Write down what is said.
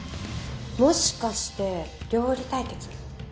もしかして料理対決？